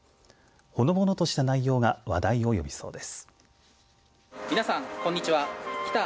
ほのぼのとした内容が話題を呼びそうです。